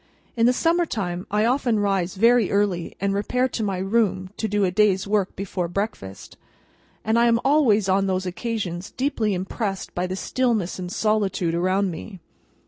In the summer time, I often rise very early, and repair to my room to do a day's work before breakfast, and I am always on those occasions deeply impressed by the stillness and solitude around me.